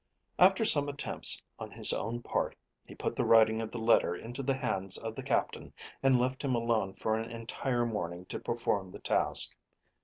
After some attempts on his own part, he put the writing of the letter into the hands of the Captain, and left him alone for an entire morning to perform the task.